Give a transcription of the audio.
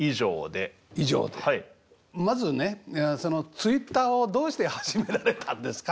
まずねツイッターをどうして始められたんですか？